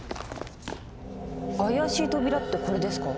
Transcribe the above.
あやしい扉ってこれですか？